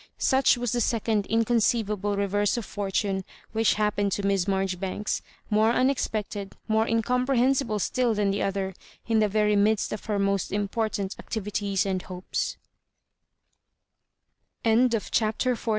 Such was the second in conceivable reverse of fortune wliich happened to Miss Marjoribanks, more unexpected, more incomprehensible still than the other, in the very midst of her most important activities and hopeck CHAPTER XLV.